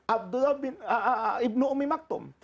abdullah bin ibnu umi maktum